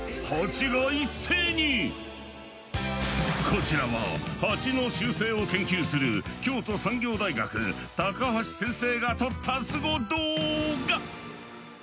こちらはハチの習性を研究する京都産業大学高橋先生が撮ったスゴ動画！